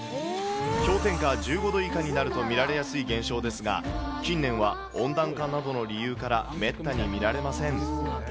氷点下１５度以下になると見られやすい現象ですが、近年は温暖化などの理由から、めったに見られません。